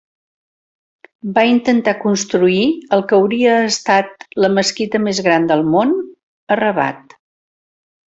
Va intentar construir el que hauria estat la mesquita més gran del món a Rabat.